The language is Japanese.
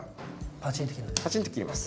パチンと切ります。